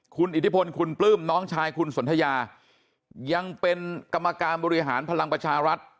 คุณอิทธิพลคุณปลื้มน้องชายคุณสนทยายังเป็นกรรมการบริหารพลังประชารัฐ